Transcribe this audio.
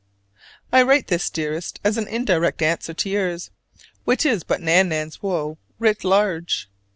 I write this, dearest, as an indirect answer to yours, which is but Nan nan's woe writ large.